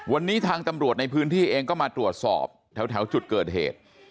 วันนี้ทางตำรวจในพื้นที่เองก็มาตรวจสอบแถวจุดเกิดเหตุ